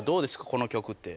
この曲って。